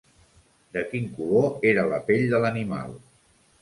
De quin color era la pell de l'animal?